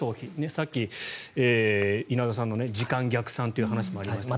さっき稲田さんの時間逆算という話もありました。